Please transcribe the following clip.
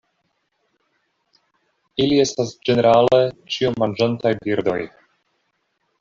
Ili estas ĝenerale ĉiomanĝantaj birdoj.